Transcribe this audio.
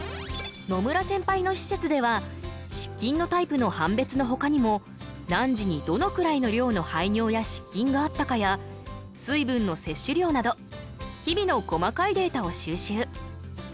野村センパイの施設では失禁のタイプの判別のほかにも何時にどのくらいの量の排尿や失禁があったかや水分の摂取量など日々の細かいデータを収集。